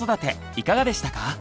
いかがでしたか？